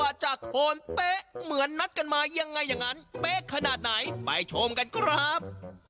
จากโคนเป๊ะเหมือนนัดกันมายังไงอย่างนั้นเป๊ะขนาดไหนไปชมกันครับ